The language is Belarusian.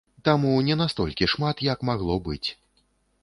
Таму не настолькі шмат, як магло быць.